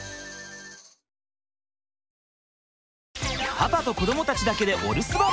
パパと子どもたちだけでお留守番！